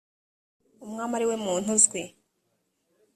umwami ari we muntu uzwi